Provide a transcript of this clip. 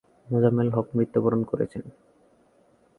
মোজাম্মেল হক মৃত্যুবরণ করেছেন।